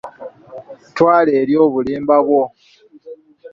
Twala eri obulimba bwo.